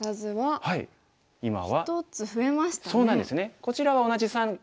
こちらは同じ３個です。